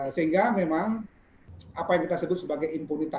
sehingga memang apa yang kita sebut sebagai impunitas